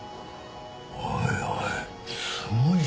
おいおい